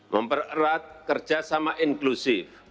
mempererat kerjasama inklusif